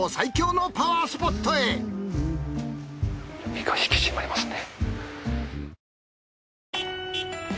身が引き締まりますね。